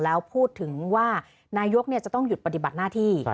แล้วพูดถึงว่านายกจะต้องหยุดปฏิบัติหน้าที่